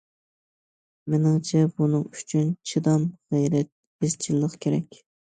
مېنىڭچە بۇنىڭ ئۈچۈن چىدام، غەيرەت، ئىزچىللىق كېرەك.